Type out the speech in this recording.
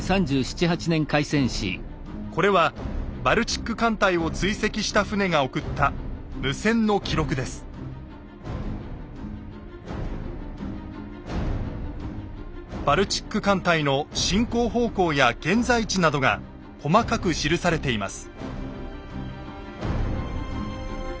これはバルチック艦隊を追跡した船が送ったバルチック艦隊の進行方向や現在地などが細かく記されています。